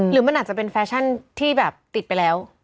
หรือมันอาจจะเป็นแฟชั่นที่แบบติดไปแล้ว